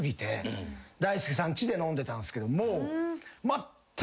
大輔さんちで飲んでたんすけど。